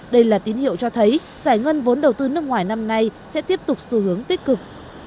đây là tín hiệu cho thấy giải ngân vốn đầu tư nước ngoài năm nay sẽ tiếp tục xu hướng tích cực